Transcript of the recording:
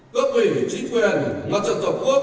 cơ bỉ chính quyền mặt trận tổ quốc